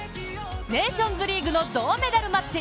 ネーションズリーグの銅メダルマッチ。